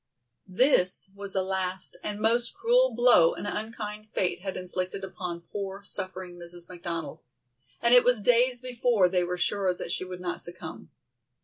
This was the last and most cruel blow an unkind fate had inflicted upon poor, suffering Mrs. McDonald, and it was days before they were sure that she would not succumb.